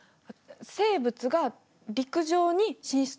生物が陸上に進出？